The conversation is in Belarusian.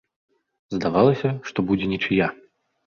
Здавалася, што будзе нічыя.